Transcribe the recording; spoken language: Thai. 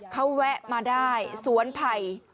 เขาแวะมาได้สวนไผ่